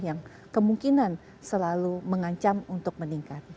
yang kemungkinan selalu mengancam untuk meningkat